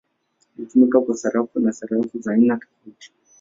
Ilitumika kwa sarafu na sarafu za aina tofauti.